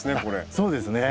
そうですね。